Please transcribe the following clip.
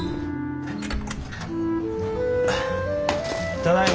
ただいま。